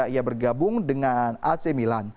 ia bergabung dengan ac milan